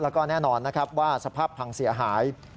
และก็แน่นอนสภาพภังเสียหาย